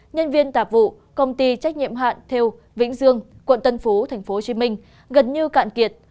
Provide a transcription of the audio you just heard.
nhân viên tạp vụ công ty trách nhiệm hạn thêu vĩnh dương quận tân phú tp hcm gần như cạn kiệt